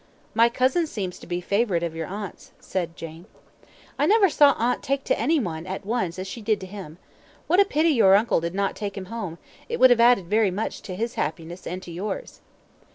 "My cousin seems to be a favourite of your aunt's," said Jane. "I never saw aunt take to any one at once as she did to him. What a pity your uncle did not take him home; it would have added very much to his happiness and to yours."